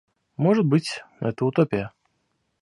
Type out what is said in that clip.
Может быть, это утопия.